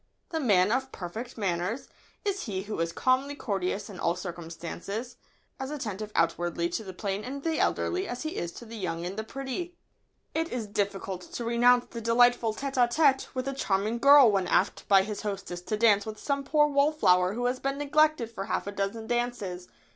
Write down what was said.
The man of "perfect manners" is he who is calmly courteous in all circumstances, as attentive outwardly to the plain and the elderly as he is to the young and pretty. [Sidenote: The man of "perfect manners."] It is difficult to renounce the delightful tête à tête with a charming girl when asked by his hostess to dance with some poor wallflower who has been neglected for half a dozen dances.